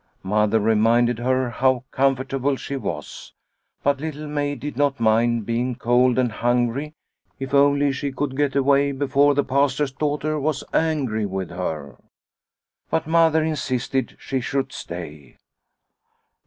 Mother reminded her how comfortable she was, but Little Maid did not mind being cold and hungry if only she could get away before the Pastor's daughter was angry with her. But Mother insisted she should stay.